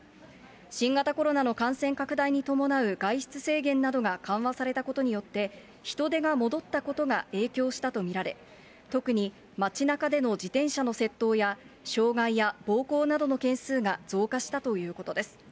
新型コロナの感染拡大に伴う外出制限などが緩和されたことによって、人出が戻ったことが影響したと見られ、特に街なかでの自転車の窃盗や、傷害や暴行などの件数が増加したということです。